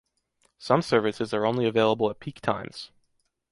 Some services only are available at peak times.